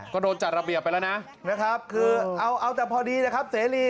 ก็โดนจัดระเบียบไปแล้วนะนะครับคือเอาแต่พอดีนะครับเสรี